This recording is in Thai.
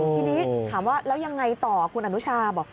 ทีนี้ถามว่าแล้วยังไงต่อคุณอนุชาบอก